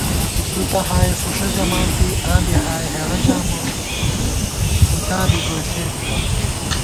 تُو تہ ہائے فُوݭہ ژمانتی آں بی ہائے ہېڑہ ژامہ فُتا بی گوئی ݪے بِکہ